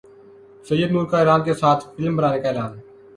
سید نور کا ایران کے ساتھ فلم بنانے کا اعلان